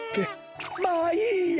まあいいや。